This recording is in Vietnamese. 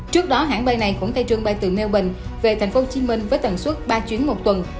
trước đó hãng bay này cũng khai trương bay từ melbong về tp hcm với tần suất ba chuyến một tuần